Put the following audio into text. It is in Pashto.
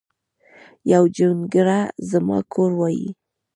یو جونګړه ځما کور وای